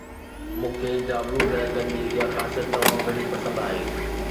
مون کي جابلو علائقن جي اها خاصيت تمام گهڻي پسند آهي